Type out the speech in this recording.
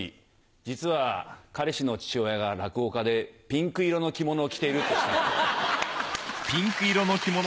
実は彼氏の父親が落語家でピンク色の着物を着ていると知った時。